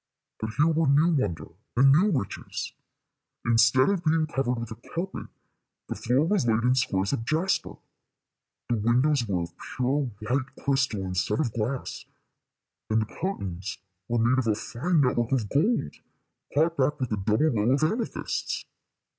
But here were new wonder and new riches. Instead of being covered with a carpet, the floor was laid in squares of jasper, the windows were of pure white crystal instead of glass, and the curtains were made of a fine net work of gold, caught back with a double row of amethysts.